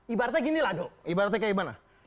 ibaratnya ginilah dong